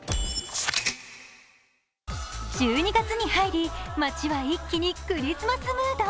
１２月に入り、街は一気にクリスマスモード。